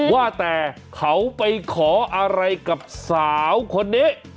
ว่าแต่เขาไปขออะไรกับสาวคนนี้